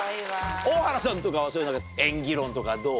大原さんとかそういう演技論とかどう？